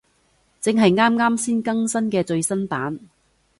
正係啱啱先更新嘅最新版